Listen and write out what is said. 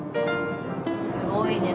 すごいね。